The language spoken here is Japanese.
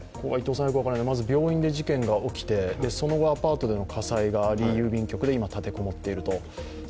まず病院で事件が起きて、その後アパートでの火災があり郵便局で今、立て籠もっていると。